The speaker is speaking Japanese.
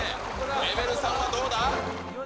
レベル３はどうだ？